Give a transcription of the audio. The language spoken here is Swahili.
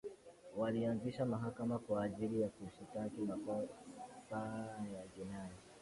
walianzisha mahakama kwa ajili ya kushitaki makosa ya jinai